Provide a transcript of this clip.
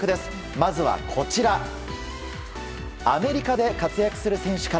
まずはアメリカで活躍する選手から。